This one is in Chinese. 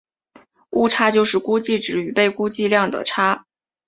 误差就是估计值与被估计量的差。